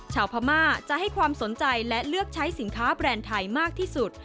ชาวพม่าจะให้ความสนใจและเลือกใช้สินค้าแบรนด์ไทยมากที่สุด